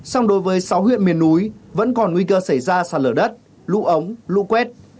song đối với sáu huyện miền núi vẫn còn nguy cơ xảy ra sạt lở đất lũ ống lũ quét